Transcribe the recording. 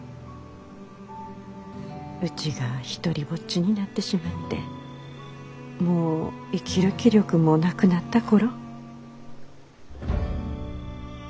うちが独りぼっちになってしまってもう生きる気力もなくなった頃。